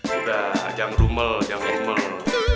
udah jangan rumel jangan rumel